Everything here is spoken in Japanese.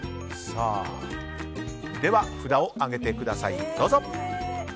では、札を上げてください。